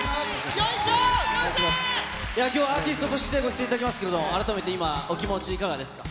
きょう、アーティストとしてご出演いただきますけれども、改めて今、お気持ちいかがですか？